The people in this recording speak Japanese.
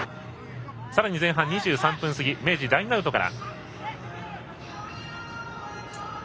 さらに前半２３分過ぎ明治、ラインアウトから。